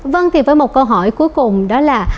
vâng thì với một câu hỏi cuối cùng đó là